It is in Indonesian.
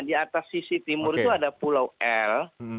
di atas sisi timur itu ada pulau l